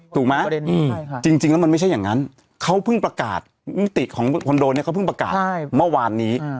ถูกไหมจริงแล้วมันไม่ใช่อย่างนั้นเขาเพิ่งประกาศมิติของคอนโดเนี่ยเขาเพิ่งประกาศเมื่อวานนี้